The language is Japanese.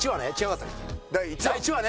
第１話ね。